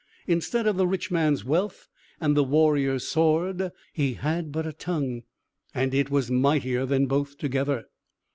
Instead of the rich man's wealth and the warrior's sword, he had but a tongue, and it was mightier than both together.